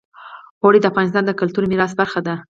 اوړي د افغانستان د کلتوري میراث برخه ده.